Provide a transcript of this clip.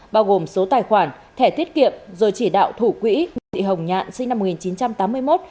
bao gồm số tài khoản thẻ tiết kiệm rồi chỉ đạo thủ quỹ nguyễn thị hồng nhạn sinh năm một nghìn chín trăm tám mươi một